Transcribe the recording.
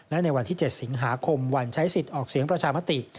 และในวันที่๗สิงหาคมวันใช้สิทธิ์ออกเสียงประชามติ